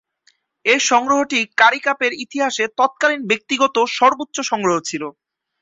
এ সংগ্রহটি কারি কাপের ইতিহাসে তৎকালীন ব্যক্তিগত সর্বোচ্চ সংগ্রহ ছিল।